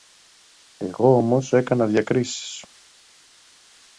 Εγώ όμως έκανα διακρίσεις.